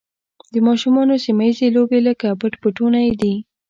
د ماشومانو سیمه ییزې لوبې لکه پټ پټونی دي.